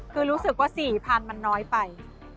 คือรู้สึกว่า๔๐๐๐มันน้อยไป